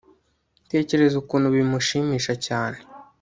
tekereza ukuntu bimushimisha cyane